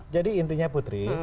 jadi intinya putri